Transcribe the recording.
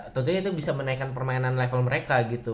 tentunya itu bisa menaikkan permainan level mereka gitu